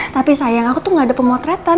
tapi sayang aku tuh gak ada pemotretan